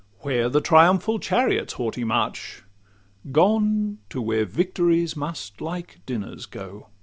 Where the triumphal chariots' haughty march? Gone to where victories must like dinners go.